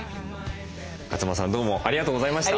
勝間さんどうもありがとうございました。